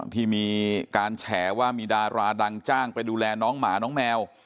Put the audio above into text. ที่มีการแฉว่ามีดาราดังจ้างไปดูแลน้องหมาน้องแมว